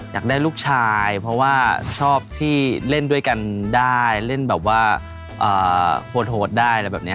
อยากได้ลูกชายเพราะว่าชอบที่เล่นด้วยกันได้เล่นแบบว่าโหดได้อะไรแบบนี้